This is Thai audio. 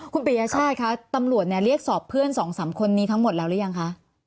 คุณปริยชาติคะตำรวจเรียกสอบเพื่อน๒๓คนนี้ทั้งหมดแล้วหรือยังคะ